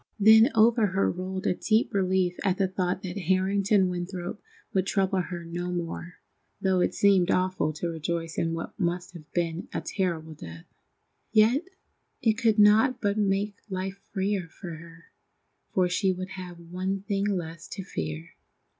Then over her rolled a deep relief at the thought that Harrington Winthrop would trouble her no more, though it seemed awful to rejoice in what must have been a terrible death. Yet it could not but make life freer for her, for she would have one thing less to fear.